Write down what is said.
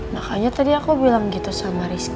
makanya tadi aku bilang gitu sama rizky